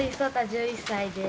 １１歳です。